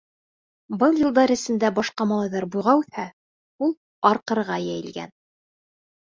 Был йылдар эсендә башҡа малайҙар буйға үҫһә, ул арҡырыға йәйелгән.